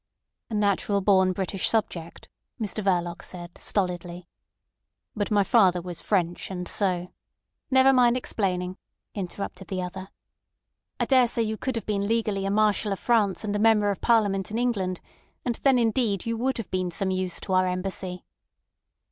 "A natural born British subject," Mr Verloc said stolidly. "But my father was French, and so—" "Never mind explaining," interrupted the other. "I daresay you could have been legally a Marshal of France and a Member of Parliament in England—and then, indeed, you would have been of some use to our Embassy."